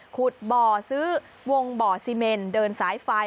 ขุดบ่อซื้อวงบ่อซีเมนเดินสายไฟ